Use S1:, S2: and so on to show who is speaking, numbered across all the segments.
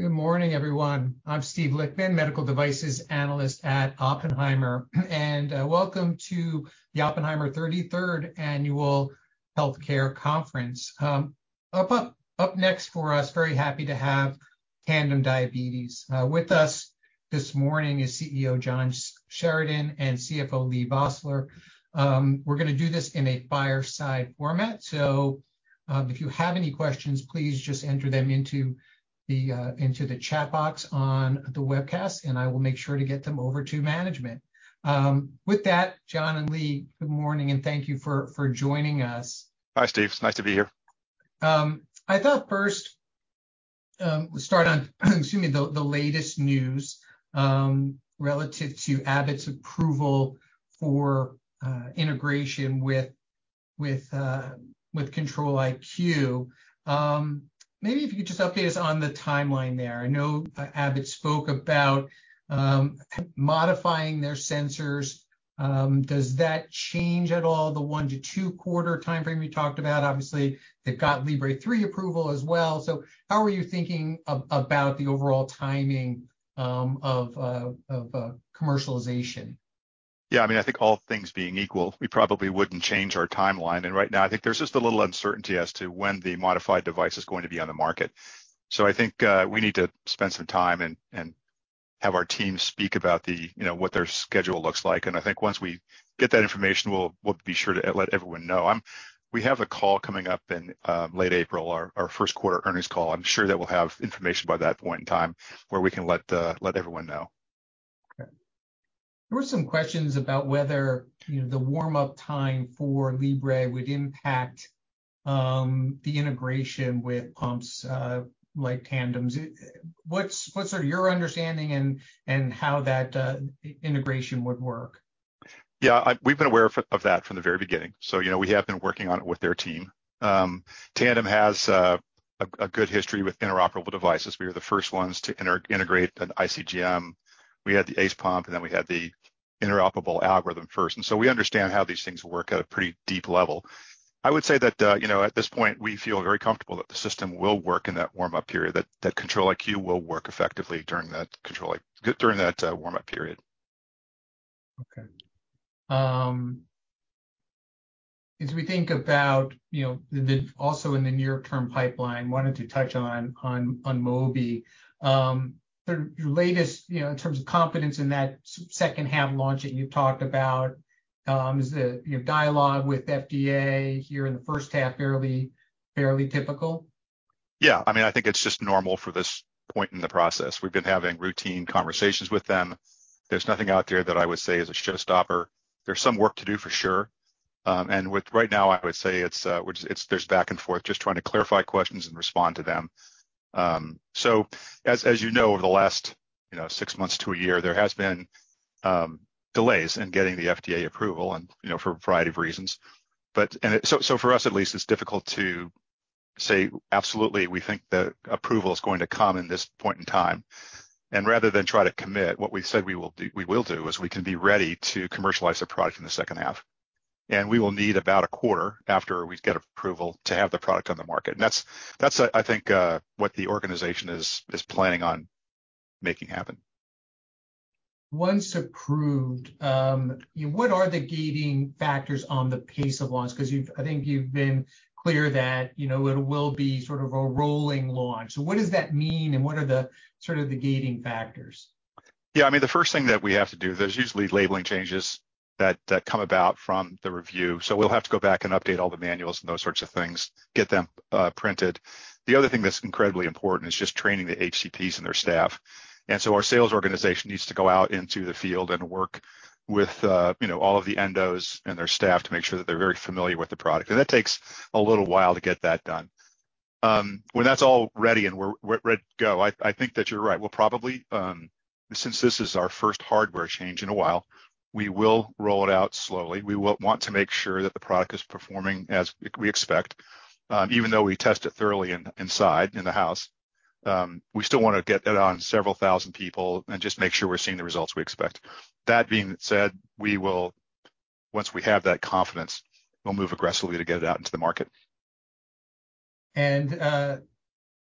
S1: Good morning, everyone. I'm Steve Lichtman, medical devices analyst at Oppenheimer. Welcome to the Oppenheimer 33rd Annual Healthcare Conference. Up next for us, very happy to have Tandem Diabetes Care. With us this morning is CEO John Sheridan and CFO Leigh Vosseller. We're gonna do this in a fireside format, so if you have any questions, please just enter them into the chat box on the webcast, and I will make sure to get them over to management. With that, John and Leigh, good morning, and thank you for joining us.
S2: Hi, Steve. It's nice to be here.
S1: I thought first, we'll start on excuse me, the latest news, relative to Abbott's approval for integration with Control-IQ. Maybe if you could just update us on the timeline there. I know, Abbott spoke about modifying their sensors. Does that change at all the one to two-quarter timeframe you talked about? Obviously, they've got Libre 3 approval as well. How are you thinking about the overall timing, of commercialization?
S2: Yeah. I mean, I think all things being equal, we probably wouldn't change our timeline. Right now, I think there's just a little uncertainty as to when the modified device is going to be on the market. I think we need to spend some time and have our team speak about the, you know, what their schedule looks like. I think once we get that information, we'll be sure to let everyone know. We have a call coming up in late April, our first quarter earnings call. I'm sure that we'll have information by that point in time where we can let everyone know.
S1: Okay. There were some questions about whether, you know, the warm-up time for Libre would impact the integration with pumps, like Tandem's. What's, sort of, your understanding and how that integration would work?
S2: Yeah. We've been aware of that from the very beginning, so, you know, we have been working on it with their team. Tandem has a good history with interoperable devices. We were the first ones to inter-integrate an ICGM. We had the ACE pump, and then we had the interoperable algorithm first. We understand how these things work at a pretty deep level. I would say that, you know, at this point, we feel very comfortable that the system will work in that warm-up period, that Control-IQ will work effectively during that warm-up period.
S1: As we think about, you know, the also in the near term pipeline, wanted to touch on Mobi. Your latest, you know, in terms of confidence in that second half launch that you talked about, is the, you know, dialogue with FDA here in the first half fairly typical?
S2: Yeah. I mean, I think it's just normal for this point in the process. We've been having routine conversations with them. There's nothing out there that I would say is a showstopper. There's some work to do for sure. And with right now, I would say there's back and forth, just trying to clarify questions and respond to them. As you know, over the last, you know, six months to a year, there has been delays in getting the FDA approval and, you know, for a variety of reasons. For us at least, it's difficult to say absolutely we think the approval is going to come in this point in time. Rather than try to commit, what we said we will do is we can be ready to commercialize the product in the second half, and we will need about a quarter after we get approval to have the product on the market. That's, I think, what the organization is planning on making happen.
S1: Once approved, what are the gating factors on the pace of launch? You've been clear that, you know, it will be sort of a rolling launch. What does that mean, and what are the sort of the gating factors?
S2: Yeah, I mean, the first thing that we have to do, there's usually labeling changes that come about from the review. We'll have to go back and update all the manuals and those sorts of things, get them printed. The other thing that's incredibly important is just training the HCPs and their staff. Our sales organization needs to go out into the field and work with, you know, all of the endos and their staff to make sure that they're very familiar with the product, and that takes a little while to get that done. When that's all ready and we're ready to go, I think that you're right. We'll probably, since this is our first hardware change in a while, we will roll it out slowly. We will want to make sure that the product is performing as we expect. Even though we test it thoroughly inside in the house, we still wanna get it on several thousand people and just make sure we're seeing the results we expect. That being said, we will, once we have that confidence, we'll move aggressively to get it out into the market.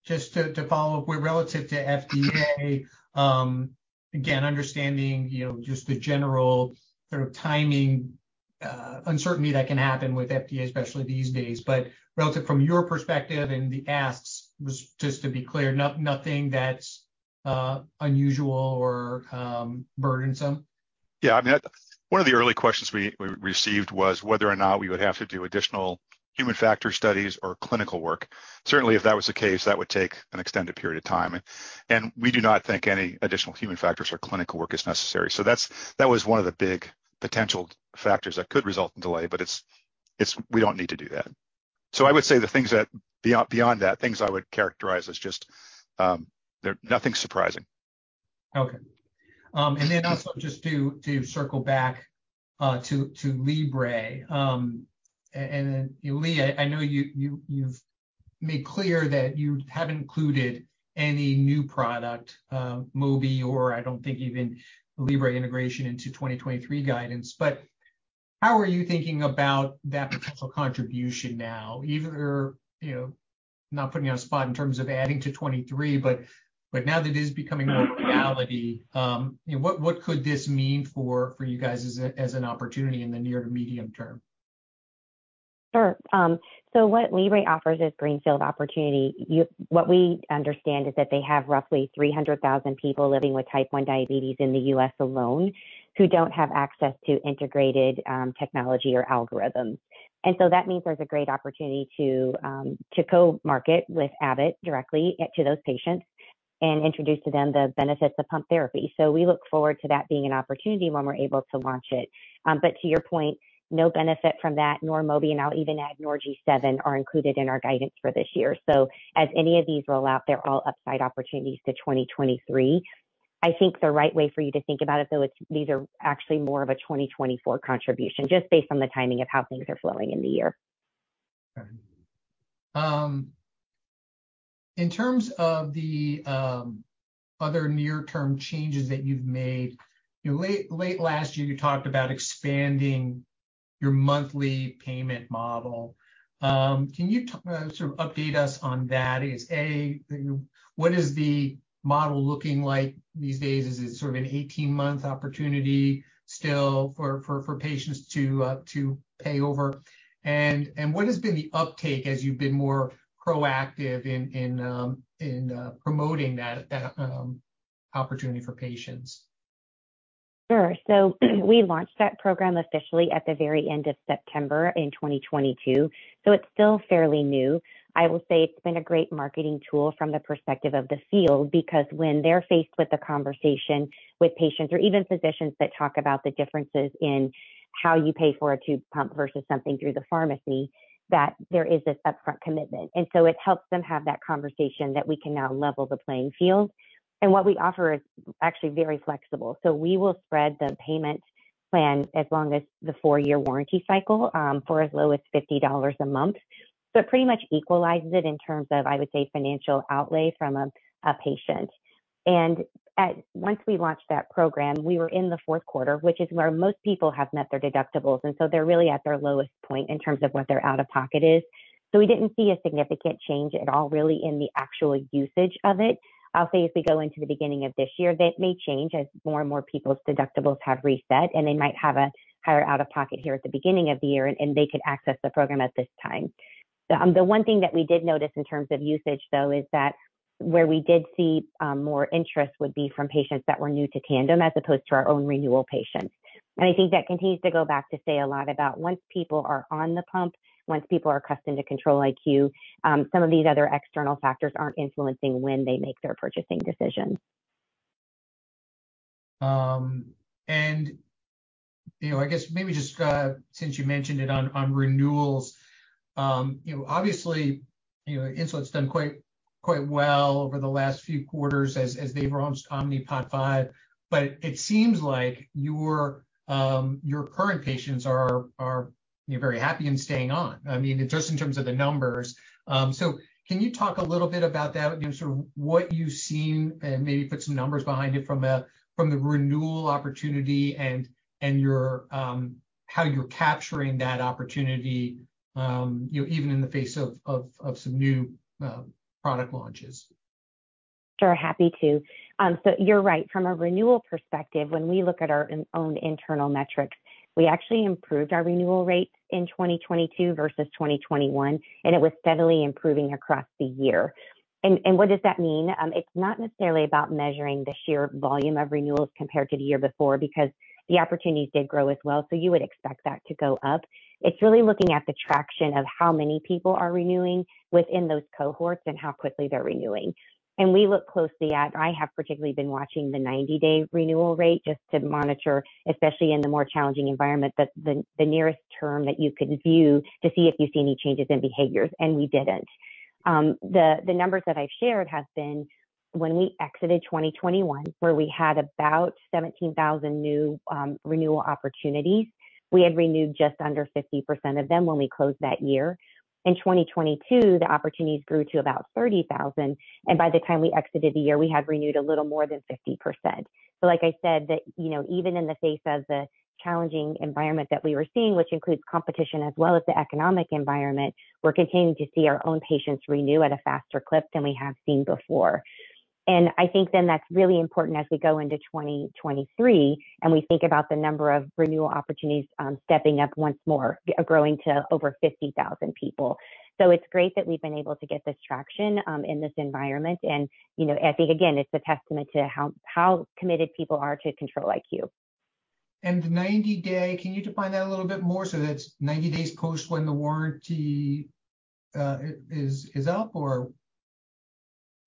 S1: Just to follow up with relative to FDA, again, understanding, you know, just the general sort of timing, uncertainty that can happen with FDA, especially these days. Relative from your perspective and the asks was just to be clear, nothing that's unusual or burdensome?
S2: Yeah, I mean, one of the early questions we received was whether or not we would have to do additional human factor studies or clinical work. Certainly, if that was the case, that would take an extended period of time, and we do not think any additional human factors or clinical work is necessary. That was one of the big potential factors that could result in delay. We don't need to do that. I would say the things that beyond that, things I would characterize as just, they're nothing surprising.
S1: Okay. And then also just to circle back to Libre, and then Leigh, I know you've made clear that you haven't included any new product, Mobi or I don't think even Libre integration into 2023 guidance. How are you thinking about that potential contribution now? Even though, you know, not putting you on the spot in terms of adding to 2023, but now that it is becoming more reality, you know, what could this mean for you guys as an opportunity in the near to medium term?
S3: Sure. What Libre offers is greenfield opportunity. What we understand is that they have roughly 300,000 people living with Type 1 diabetes in the U.S. alone who don't have access to integrated technology or algorithms. That means there's a great opportunity to co-market with Abbott directly to those patients and introduce to them the benefits of pump therapy. We look forward to that being an opportunity when we're able to launch it. But to your point, no benefit from that, nor Mobi, and I'll even add nor G7, are included in our guidance for this year. As any of these roll out, they're all upside opportunities to 2023. I think the right way for you to think about it, though, it's these are actually more of a 2024 contribution, just based on the timing of how things are flowing in the year.
S1: Okay. In terms of the other near-term changes that you've made, you know, late last year, you talked about expanding your monthly payment model. Can you sort of update us on that? You know, what is the model looking like these days? Is it sort of an 18-month opportunity still for patients to pay over? What has been the uptake as you've been more proactive in promoting that opportunity for patients?
S3: Sure. We launched that program officially at the very end of September in 2022, it's still fairly new. I will say it's been a great marketing tool from the perspective of the field, because when they're faced with the conversation with patients or even physicians that talk about the differences in how you pay for a tube pump versus something through the pharmacy, that there is this upfront commitment. It helps them have that conversation that we can now level the playing field. What we offer is actually very flexible. We will spread the payment plan as long as the four-year warranty cycle, for as low as $50 a month. It pretty much equalizes it in terms of, I would say, financial outlay from a patient. Once we launched that program, we were in the fourth quarter, which is where most people have met their deductibles, and so they're really at their lowest point in terms of what their out-of-pocket is. We didn't see a significant change at all really in the actual usage of it. I'll say as we go into the beginning of this year, that may change as more and more people's deductibles have reset, and they might have a higher out-of-pocket here at the beginning of the year, and they could access the program at this time. The one thing that we did notice in terms of usage, though, is that where we did see more interest would be from patients that were new to Tandem as opposed to our own renewal patients. I think that continues to go back to say a lot about once people are on the pump, once people are accustomed to Control-IQ, some of these other external factors aren't influencing when they make their purchasing decisions.
S1: You know, I guess maybe just since you mentioned it on renewals, you know, obviously, you know, Insulet's done quite well over the last few quarters as they've launched Omnipod 5. It seems like your current patients are, you know, very happy and staying on. I mean, just in terms of the numbers. Can you talk a little bit about that? You know, sort of what you've seen, and maybe put some numbers behind it from the renewal opportunity and you're how you're capturing that opportunity, you know, even in the face of some new product launches.
S3: Sure. Happy to. So you're right. From a renewal perspective, when we look at our own internal metrics, we actually improved our renewal rates in 2022 versus 2021, and it was steadily improving across the year. What does that mean? It's not necessarily about measuring the sheer volume of renewals compared to the year before because the opportunities did grow as well, so you would expect that to go up. It's really looking at the traction of how many people are renewing within those cohorts and how quickly they're renewing. We look closely at, I have particularly been watching the 90-day renewal rate just to monitor, especially in the more challenging environment, the nearest term that you can view to see if you see any changes in behaviors, and we didn't. The, the numbers that I've shared has been when we exited 2021, where we had about 17,000 new renewal opportunities, we had renewed just under 50% of them when we closed that year. In 2022, the opportunities grew to about 30,000, and by the time we exited the year, we had renewed a little more than 50%. Like I said, the, you know, even in the face of the challenging environment that we were seeing, which includes competition as well as the economic environment, we're continuing to see our own patients renew at a faster clip than we have seen before. I think then that's really important as we go into 2023 and we think about the number of renewal opportunities stepping up once more, growing to over 50,000 people. it's great that we've been able to get this traction, in this environment and, you know, I think again, it's a testament to how committed people are to Control-IQ.
S1: The 90-day, can you define that a little bit more? That's 90 days post when the warranty is up or?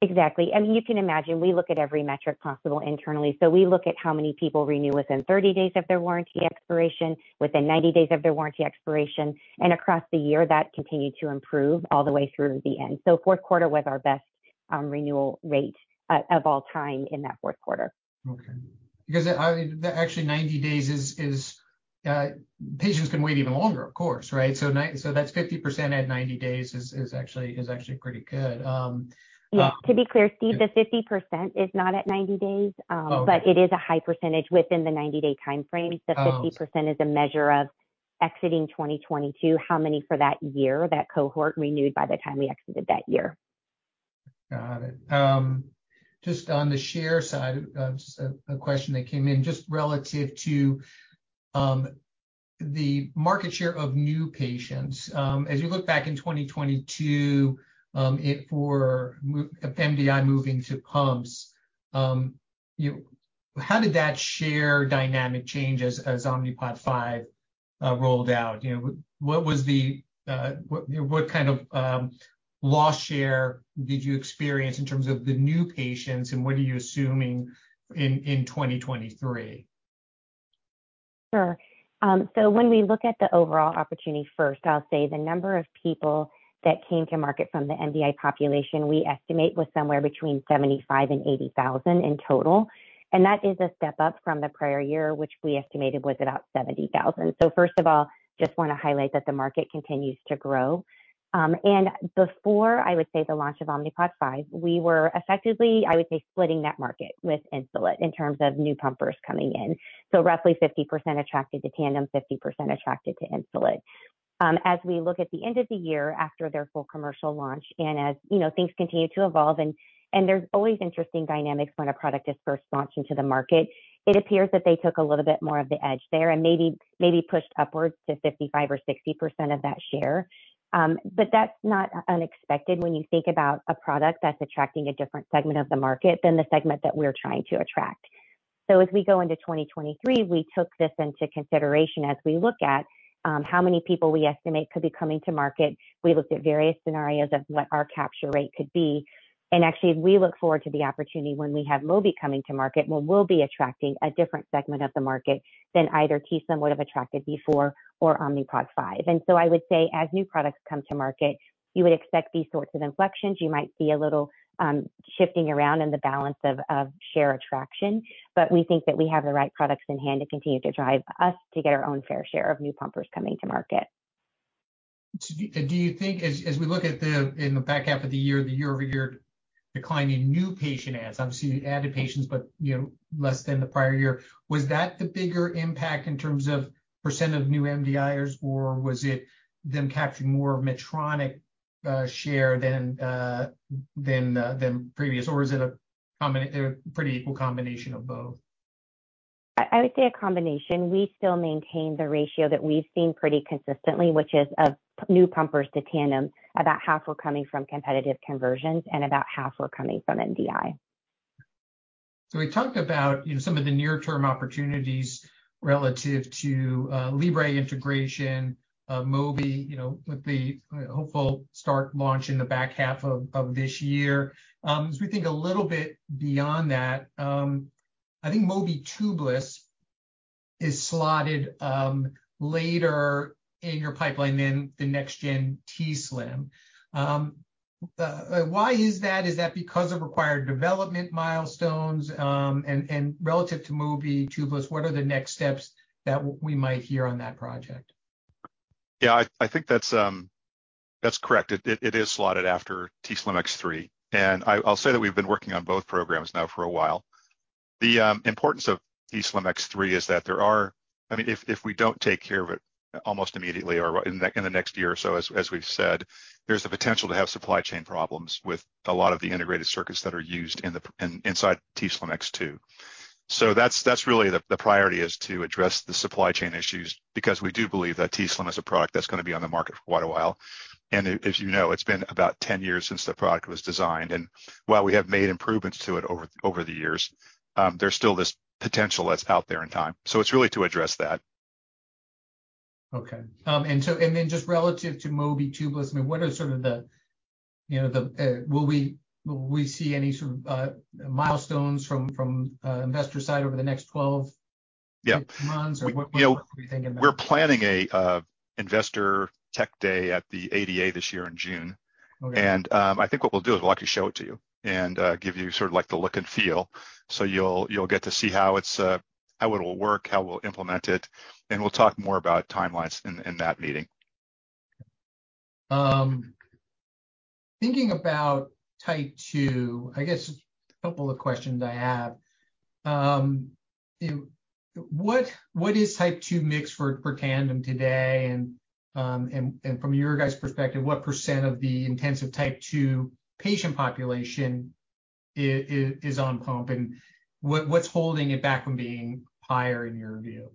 S3: Exactly. I mean, you can imagine we look at every metric possible internally. We look at how many people renew within 30 days of their warranty expiration, within 90 days of their warranty expiration. Across the year, that continued to improve all the way through the end. Fourth quarter was our best renewal rate of all time in that fourth quarter.
S1: Because, I mean, the actually 90 days is, patients can wait even longer, of course, right? That's 50% at 90 days is actually pretty good.
S3: Yeah. To be clear, Steve, the 50% is not at 90 days.
S1: Oh, okay.
S3: It is a high percentage within the 90-day timeframe.
S1: Oh.
S3: The 50% is a measure of. Exiting 2022, how many for that year, that cohort renewed by the time we exited that year.
S1: Got it. Just on the share side, just a question that came in just relative to the market share of new patients. As you look back in 2022, if we're MDI moving to pumps, you know, how did that share dynamic change as Omnipod 5 rolled out? You know, what was the, what kind of loss share did you experience in terms of the new patients, and what are you assuming in 2023?
S3: Sure. When we look at the overall opportunity first, I'll say the number of people that came to market from the MDI population, we estimate was somewhere between 75 and 80,000 in total. That is a step up from the prior year, which we estimated was about 70,000. First of all, just wanna highlight that the market continues to grow. Before I would say the launch of Omnipod 5, we were effectively, I would say, splitting that market with Insulet in terms of new pumpers coming in. Roughly 50% attracted to Tandem, 50% attracted to Insulet. As we look at the end of the year after their full commercial launch and as, you know, things continue to evolve, and there's always interesting dynamics when a product is first launched into the market. It appears that they took a little bit more of the edge there and maybe pushed upwards to 55% or 60% of that share. That's not unexpected when you think about a product that's attracting a different segment of the market than the segment that we're trying to attract. As we go into 2023, we took this into consideration as we look at how many people we estimate could be coming to market. We looked at various scenarios of what our capture rate could be, and actually we look forward to the opportunity when we have Mobi coming to market, when we'll be attracting a different segment of the market than either t:slim would've attracted before or Omnipod 5. I would say as new products come to market, you would expect these sorts of inflections. You might see a little shifting around in the balance of share attraction. We think that we have the right products in hand to continue to drive us to get our own fair share of new pumpers coming to market.
S1: Do you think as we look in the back half of the year, the year-over-year decline in new patient adds, obviously you added patients, but, you know, less than the prior year, was that the bigger impact in terms of % of new MDIs, or was it them capturing more of Medtronic share than previous? Or is it a pretty equal combination of both?
S3: I would say a combination. We still maintain the ratio that we've seen pretty consistently, which is of new pumpers to Tandem. About half were coming from competitive conversions and about half were coming from MDI.
S1: We talked about, you know, some of the near term opportunities relative to Libre integration, Mobi, you know, with the hopeful start launch in the back half of this year. As we think a little bit beyond that, I think Mobi Tubeless is slotted later in your pipeline than the next-gen t:slim. Why is that? Is that because of required development milestones? And relative to Mobi Tubeless, what are the next steps that we might hear on that project?
S2: Yeah, I think that's correct. It is slotted after t:slim X3. I'll say that we've been working on both programs now for a while. The importance of t:slim X3 is that I mean, if we don't take care of it almost immediately or in the next year or so, as we've said, there's the potential to have supply chain problems with a lot of the integrated circuits that are used inside t:slim X2. That's really the priority is to address the supply chain issues because we do believe that t:slim is a product that's gonna be on the market for quite a while. If you know, it's been about 10 years since the product was designed, and while we have made improvements to it over the years, there's still this potential that's out there in time. It's really to address that.
S1: Then just relative to Mobi Tubeless, I mean, what are sort of the, you know, the, Will we see any sort of milestones from investor side over the next twelve-?
S2: Yeah
S1: months, or what are we thinking about?
S2: We're planning an investor tech day at the ADA this year in June.
S1: Okay.
S2: I think what we'll do is we'll actually show it to you and give you sort of like the look and feel. You'll get to see how it's how it'll work, how we'll implement it, and we'll talk more about timelines in that meeting.
S1: Thinking about Type 2, I guess a couple of questions I have. You know, what is Type 2 mix for Tandem today? From your guys' perspective, what % of the intensive Type 2 patient population is on pump? What's holding it back from being higher in your view?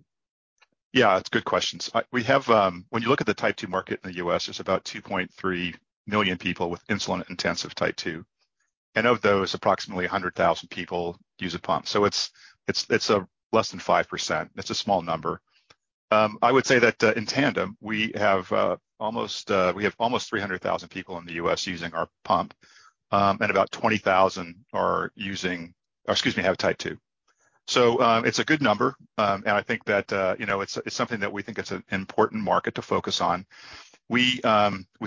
S2: Yeah, it's good questions. We have, when you look at the Type 2 market in the U.S., there's about 2.3 million people with insulin intensive Type 2. Of those, approximately 100,000 people use a pump. It's less than 5%. It's a small number. I would say that in Tandem, we have almost 300,000 people in the U.S. using our pump, and about 20,000 are using or, excuse me, have Type 2. It's a good number. I think that, you know, it's something that we think it's an important market to focus on. We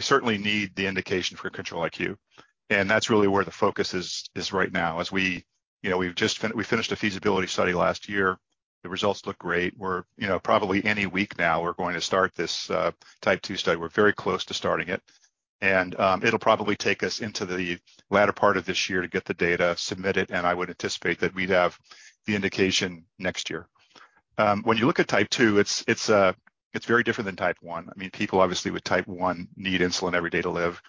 S2: certainly need the indication for Control-IQ, that's really where the focus is right now. As we, you know, We finished a feasibility study last year. The results look great. We're, you know, probably any week now, we're going to start this Type 2 study. We're very close to starting it. It'll probably take us into the latter part of this year to get the data submitted, and I would anticipate that we'd have the indication next year. When you look at Type 2, it's very different than Type 1. I mean, people obviously with Type 1 need insulin every day to live.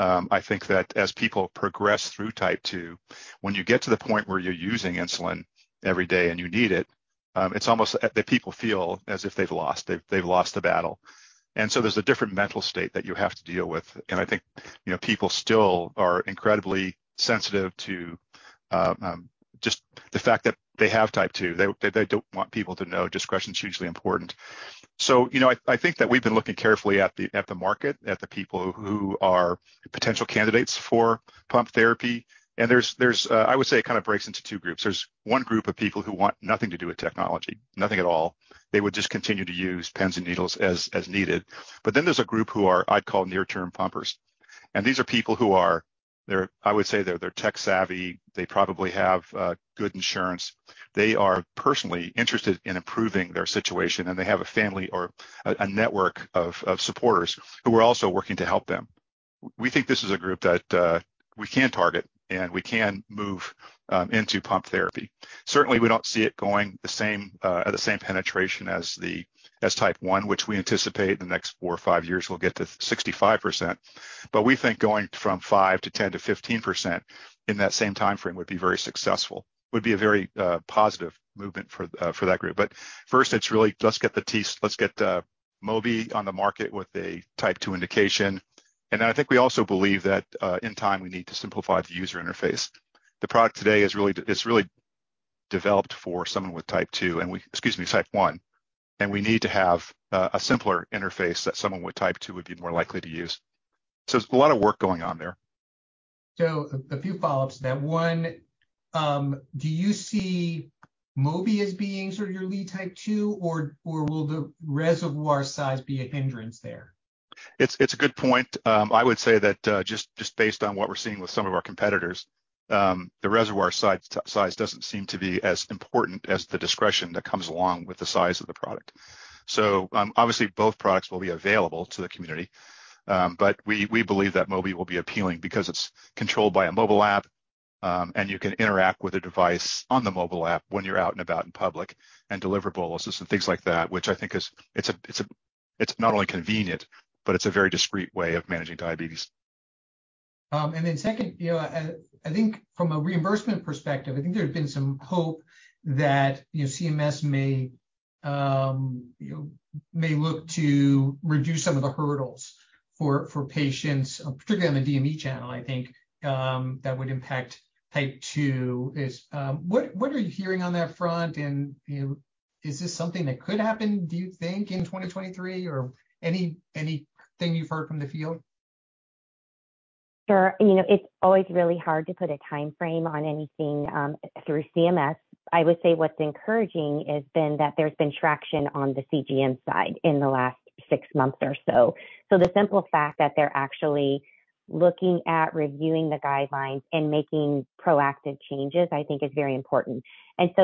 S2: I think that as people progress through Type 2, when you get to the point where you're using insulin every day and you need it's almost the people feel as if they've lost. They've lost the battle. There's a different mental state that you have to deal with. I think, you know, people still are incredibly sensitive to just the fact that they have Type 2. They don't want people to know. Discretion is hugely important. You know, I think that we've been looking carefully at the market, at the people who are potential candidates for pump therapy. There's, I would say, it kind of breaks into two groups. There's one group of people who want nothing to do with technology, nothing at all. They would just continue to use pens and needles as needed. There's a group who are, I'd call, near-term pumpers. These are people who, I would say, are tech savvy. They probably have good insurance. They are personally interested in improving their situation, and they have a family or a network of supporters who are also working to help them. We think this is a group that we can target, and we can move into pump therapy. Certainly, we don't see it going the same, the same penetration as the, as Type 1, which we anticipate in the next four or five years will get to 65%. We think going from 5% to 10% to 15% in that same timeframe would be very successful, would be a very positive movement for that group. First, it's really let's get Mobi on the market with a Type 2 indication. Then I think we also believe that in time, we need to simplify the user interface. The product today is really developed for someone with Type 2, and excuse me, Type 1, and we need to have a simpler interface that someone with Type 2 would be more likely to use. There's a lot of work going on there.
S1: A few follow-ups to that. One, do you see Mobi as being sort of your lead Type 2, or will the reservoir size be a hindrance there?
S2: It's a good point. I would say that, just based on what we're seeing with some of our competitors, the reservoir size doesn't seem to be as important as the discretion that comes along with the size of the product. Obviously, both products will be available to the community. But we believe that Mobi will be appealing because it's controlled by a mobile app, and you can interact with a device on the mobile app when you're out and about in public and deliver boluses and things like that, which I think is, it's not only convenient, but it's a very discreet way of managing diabetes.
S1: Then second, you know, I think from a reimbursement perspective, I think there's been some hope that, you know, CMS may, you know, may look to reduce some of the hurdles for patients, particularly on the DME channel, I think, that would impact Type 2 is. What are you hearing on that front? You know, is this something that could happen, do you think, in 2023 or any, anything you've heard from the field?
S3: Sure. You know, it's always really hard to put a timeframe on anything through CMS. I would say what's encouraging has been that there's been traction on the CGM side in the last six months or so. The simple fact that they're actually looking at reviewing the guidelines and making proactive changes, I think is very important.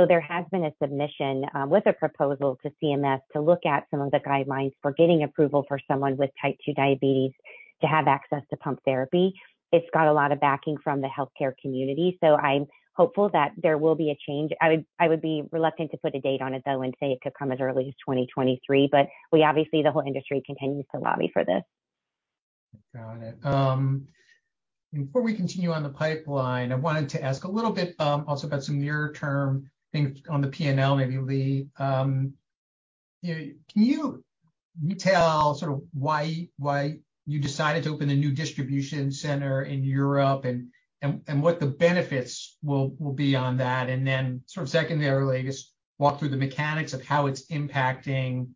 S3: There has been a submission with a proposal to CMS to look at some of the guidelines for getting approval for someone with Type 2 Diabetes to have access to pump therapy. It's got a lot of backing from the healthcare community, so I'm hopeful that there will be a change. I would be reluctant to put a date on it, though, and say it could come as early as 2023, but we obviously, the whole industry continues to lobby for this.
S1: Got it. Before we continue on the pipeline, I wanted to ask a little bit, also about some near term things on the P&L, maybe, Leigh. Can you tell sort of why you decided to open a new distribution center in Europe and what the benefits will be on that? Then sort of secondarily, I guess, walk through the mechanics of how it's impacting,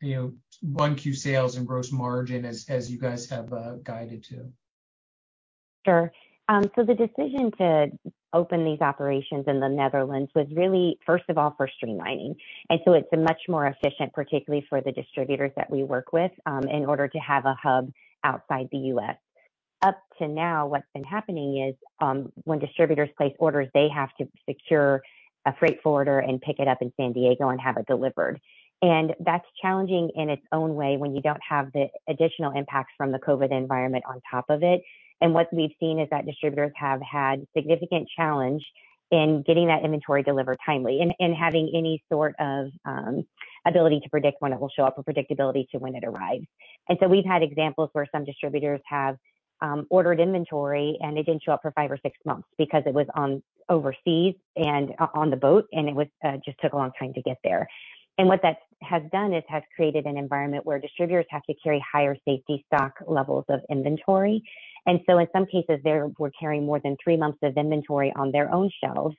S1: you know, 1Q sales and gross margin as you guys have guided to.
S3: Sure. The decision to open these operations in the Netherlands was really, first of all, for streamlining. It's much more efficient, particularly for the distributors that we work with, in order to have a hub outside the U.S. Up to now, what's been happening is, when distributors place orders, they have to secure a freight forwarder and pick it up in San Diego and have it delivered. That's challenging in its own way when you don't have the additional impacts from the COVID environment on top of it. What we've seen is that distributors have had significant challenge in getting that inventory delivered timely and having any sort of ability to predict when it will show up or predictability to when it arrives. We've had examples where some distributors have ordered inventory, and it didn't show up for five or six months because it was overseas and on the boat, and it was just took a long time to get there. What that has done is has created an environment where distributors have to carry higher safety stock levels of inventory. In some cases, were carrying more than three months of inventory on their own shelves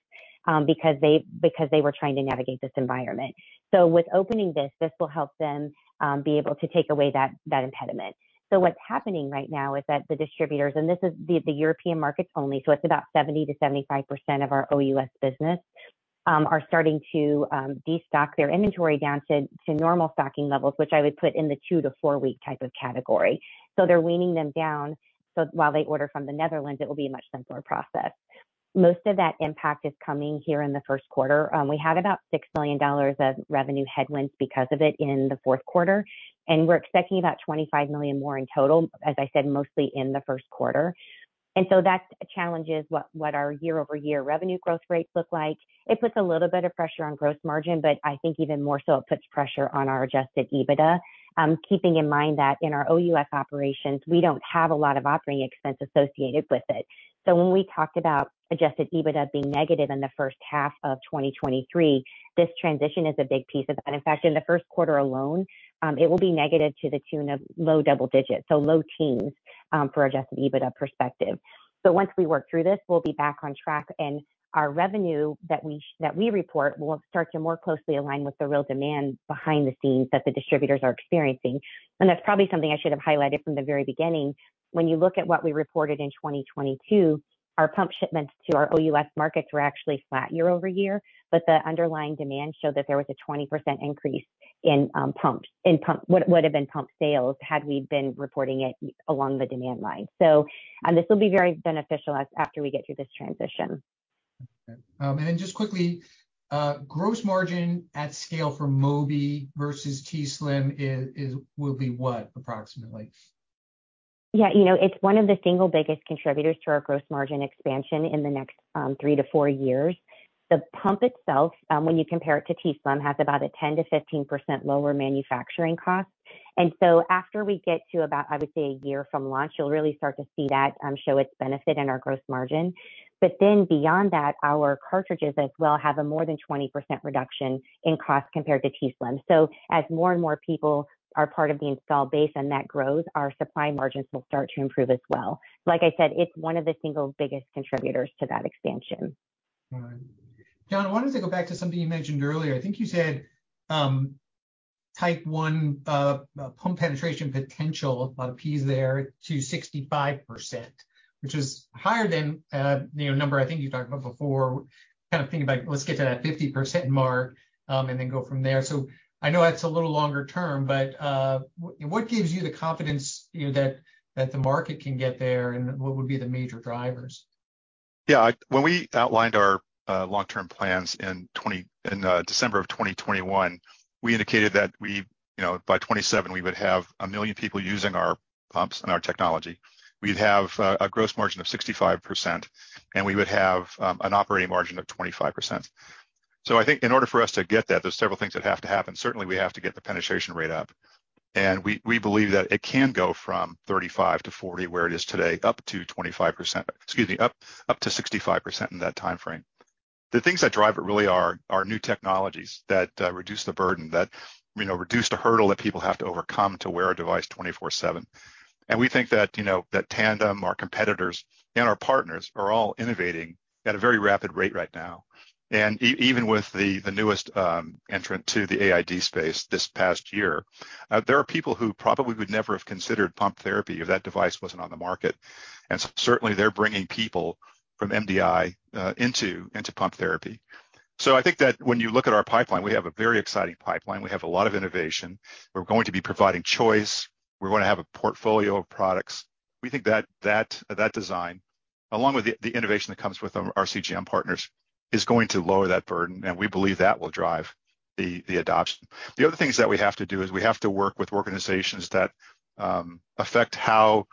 S3: because they were trying to navigate this environment. With opening this will help them be able to take away that impediment. What's happening right now is that the distributors, and this is the European markets only, it's about 70%-75% of our OUS business, are starting to de-stock their inventory down to normal stocking levels, which I would put in the two to four week type of category. They're weaning them down. While they order from the Netherlands, it will be a much simpler process. Most of that impact is coming here in the first quarter. We had about $6 million of revenue headwinds because of it in the fourth quarter, and we're expecting about $25 million more in total, as I said, mostly in the first quarter. That challenges what our year-over-year revenue growth rates look like. It puts a little bit of pressure on gross margin, but I think even more so it puts pressure on our adjusted EBITDA, keeping in mind that in our OUS operations, we don't have a lot of operating expense associated with it. When we talked about adjusted EBITDA being negative in the first half of 2023, this transition is a big piece of that. In the first quarter alone, it will be negative to the tune of low double digits, so low teens, for adjusted EBITDA perspective. Once we work through this, we'll be back on track, and our revenue that we report will start to more closely align with the real demand behind the scenes that the distributors are experiencing. That's probably something I should have highlighted from the very beginning. When you look at what we reported in 2022, our pump shipments to our OUS markets were actually flat year-over-year, but the underlying demand showed that there was a 20% increase in pump sales had we been reporting it along the demand line. And this will be very beneficial after we get through this transition.
S1: Just quickly, gross margin at scale for Mobi versus t:slim will be what, approximately?
S3: Yeah. You know, it's one of the single biggest contributors to our gross margin expansion in the next, three to four years. The pump itself, when you compare it to t:slim, has about a 10%-15% lower manufacturing cost. After we get to about, I would say, 1 year from launch, you'll really start to see that show its benefit in our gross margin. Beyond that, our cartridges as well have a more than 20% reduction in cost compared to t:slim. As more and more people are part of the installed base and that grows, our supply margins will start to improve as well. Like I said, it's one of the single biggest contributors to that expansion.
S1: All right. John, I wanted to go back to something you mentioned earlier. I think you said, Type 1, pump penetration potential, a lot of Ps there, to 65%, which is higher than, you know, number I think you talked about before, kind of thinking about let's get to that 50% mark, and then go from there. I know that's a little longer term, but, what gives you the confidence, you know, that the market can get there, and what would be the major drivers?
S2: When we outlined our long-term plans in December of 2021, we indicated that we, you know, by 2027, we would have 1 million people using our pumps and our technology. We'd have a gross margin of 65%, we would have an operating margin of 25%. I think in order for us to get that, there's several things that have to happen. Certainly, we have to get the penetration rate up, we believe that it can go from 35% to 40%, where it is today, up to 65% in that timeframe. The things that drive it really are new technologies that reduce the burden, that, you know, reduce the hurdle that people have to overcome to wear a device 24/7. We think that, you know, that Tandem, our competitors, and our partners are all innovating at a very rapid rate right now. Even with the newest entrant to the AID space this past year, there are people who probably would never have considered pump therapy if that device wasn't on the market. Certainly, they're bringing people from MDI into pump therapy. I think that when you look at our pipeline, we have a very exciting pipeline. We have a lot of innovation. We're going to be providing choice. We're going to have a portfolio of products. We think that design, along with the innovation that comes with our CGM partners, is going to lower that burden, and we believe that will drive the adoption. The other things that we have to do is we have to work with organizations that affect how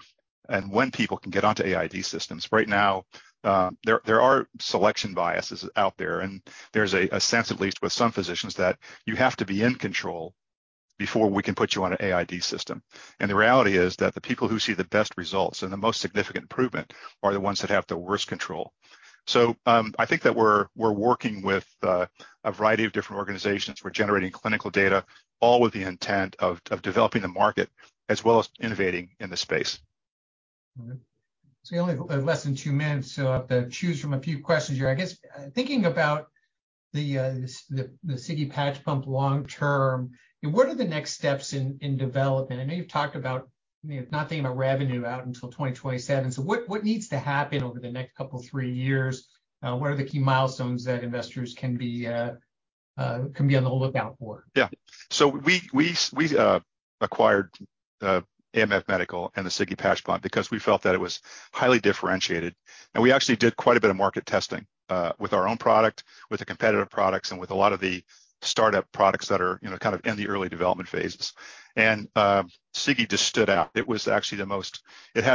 S2: and when people can get onto AID systems. Right now, there are selection biases out there, and there's a sense, at least with some physicians, that you have to be in control before we can put you on an AID system. The reality is that the people who see the best results and the most significant improvement are the ones that have the worst control. I think that we're working with a variety of different organizations. We're generating clinical data, all with the intent of developing the market as well as innovating in the space.
S1: All right. You only have less than two minutes, so I have to choose from a few questions here. I guess, thinking about the Sigi Patch Pump long term, what are the next steps in development? I know you've talked about, you know, not thinking about revenue out until 2027. What needs to happen over the next couple, three years? What are the key milestones that investors can be on the lookout for?
S2: Yeah. We acquired AMF Medical and the Sigi Patch Pump because we felt that it was highly differentiated. We actually did quite a bit of market testing with our own product, with the competitive products, and with a lot of the startup products that are, you know, kind of in the early development phases. Sigi just stood out. It was actually the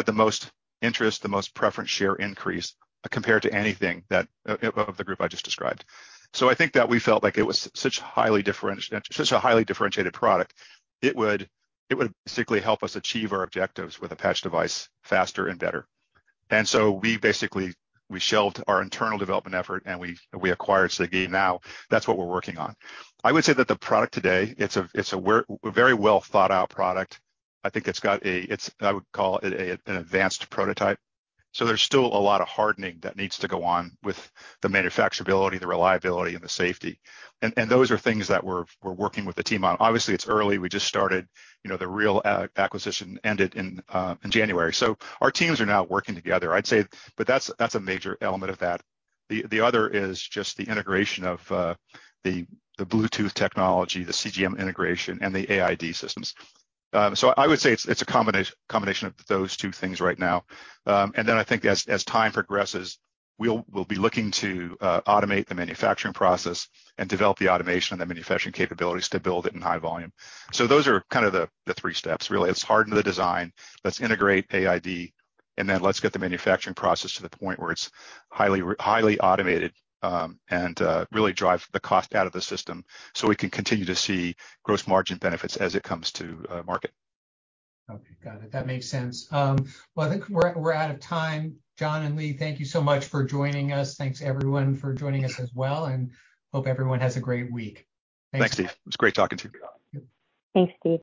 S2: most interest, the most preference share increase compared to anything that of the group I just described. I think that we felt like it was such a highly differentiated product, it would basically help us achieve our objectives with a patch device faster and better. We basically shelved our internal development effort, and we acquired Sigi. That's what we're working on. I would say that the product today, it's a very well-thought-out product. I think I would call it a, an advanced prototype. There's still a lot of hardening that needs to go on with the manufacturability, the reliability, and the safety. Those are things that we're working with the team on. Obviously, it's early. We just started. You know, the real acquisition ended in January. Our teams are now working together, I'd say. That's a major element of that. The other is just the integration of the Bluetooth technology, the CGM integration, and the AID systems. I would say it's a combination of those two things right now. I think as time progresses, we'll be looking to automate the manufacturing process and develop the automation and the manufacturing capabilities to build it in high volume. Those are kind of the three steps, really. Let's harden the design, let's integrate AID, and then let's get the manufacturing process to the point where it's highly automated, and really drive the cost out of the system, so we can continue to see gross margin benefits as it comes to market.
S1: Okay. Got it. That makes sense. Well, I think we're out of time. John and Leigh, thank you so much for joining us. Thanks everyone for joining us as well. Hope everyone has a great week.
S2: Thanks, Steve. It was great talking to you.
S3: Thanks, Steve.